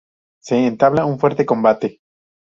Se entabla un fuerte combate.